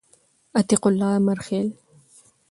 عتیق الله امرخیل